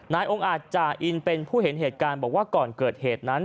องค์อาจจาอินเป็นผู้เห็นเหตุการณ์บอกว่าก่อนเกิดเหตุนั้น